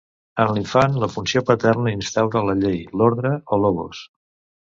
En l'infant la funció paterna instaura la Llei, l'ordre o logos.